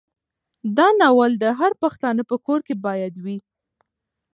دا ناول د هر پښتانه په کور کې باید وي.